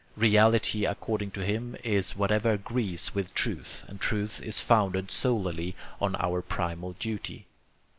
Reality, according to him, is whatever agrees with truth, and truth is founded solely on our primal duty.